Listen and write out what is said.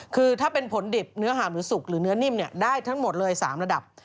คือถ้าเป็นผลดิบเนื้อหามหรือสุกหรือเนื้อนิ่มได้ทั้งหมดเลย๓ระดับ